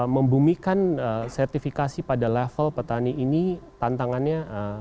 membumikan sertifikasi pada level petani ini tantangannya